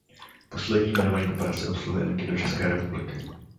Poslední jmenovaný dopravce obsluhuje i linky do České republiky.